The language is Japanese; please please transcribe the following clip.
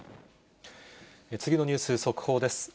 次のニュース、速報です。